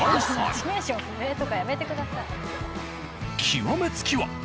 極め付きは。